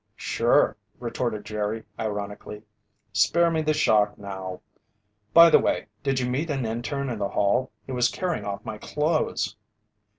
"Sure," retorted Jerry ironically, "spare me the shock now. By the way, did you meet an interne in the hall? He was carrying off my clothes."